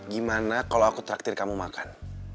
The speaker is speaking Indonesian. gimana kalau aku traktir kamu makan